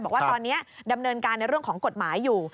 บอกว่าตอนนี้ดำเนินการในเรื่องของกฎหมายอยู่